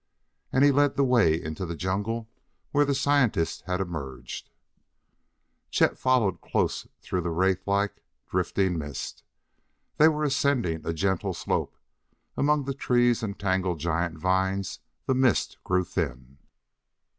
and he led the way into the jungle where the scientist had emerged. Chet followed close through wraith like, drifting mist. They were ascending a gentle slope; among the trees and tangled giant vines the mist grew thin.